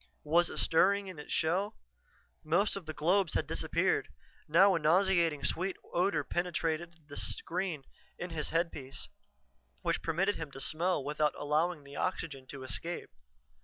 Was it stirring in its shell? Most of the globes had disappeared; now a nauseatingly sweet odor penetrated the screen in his headpiece, which permitted him to smell without allowing the oxygen to escape.